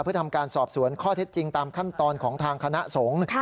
เพื่อทำการสอบสวนข้อเท็จจริงตามขั้นตอนของทางคณะสงฆ์